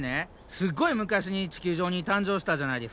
すっごい昔に地球上に誕生したじゃないですか。